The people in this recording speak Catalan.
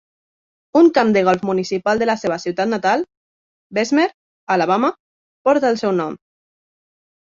Un camp de golf municipal de la seva ciutat natal, Bessemer, Alabama, porta el seu nom.